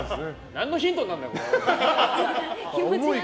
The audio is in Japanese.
何のヒントになるんだよこれ！